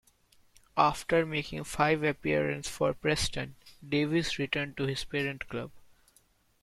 After making five appearance for Preston, Davies returned to his parent club.